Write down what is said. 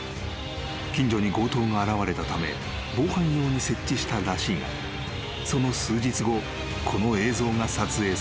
［近所に強盗が現れたため防犯用に設置したらしいがその数日後この映像が撮影されたという］